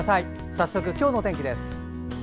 早速、今日の天気です。